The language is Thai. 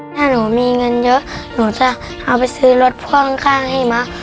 ถ้าหนูมีเงินเยอะหนูจะเอาไปซื้อรถพ่วงข้างให้มะ